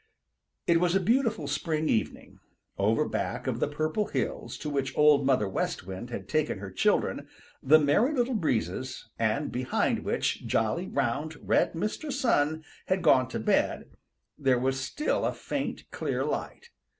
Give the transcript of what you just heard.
It was a beautiful spring evening. Over back of the Purple Hills to which Old Mother West Wind had taken her children, the Merry Little Breezes, and behind which jolly, round, red Mr. Sun had gone to bed, there was still a faint, clear light.